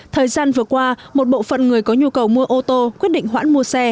thời gian vừa qua một bộ phận người có nhu cầu mua ô tô quyết định hoãn mua xe